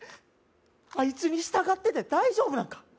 あいつに従ってて大丈夫なんか？